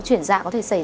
chuyển dạ có thể xảy ra